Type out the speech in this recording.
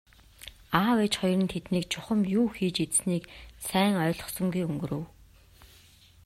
Аав ээж хоёр нь тэднийг чухам юу хийж идсэнийг сайн ойлгосонгүй өнгөрөв.